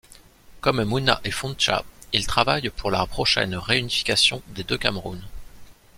Comme Muna et Fontcha, il travaille pour la prochaine réunification des deux cameroun.